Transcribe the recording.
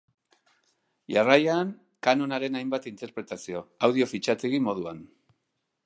Jarraian Kanonaren hainbat interpretazio, audio fitxategi moduan.